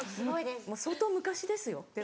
相当昔ですよ。